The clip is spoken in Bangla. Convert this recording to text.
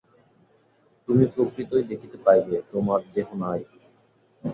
তুমি প্রকৃতই দেখিতে পাইবে, তোমার দেহ নাই।